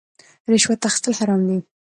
رشوت اخیستل حرام دي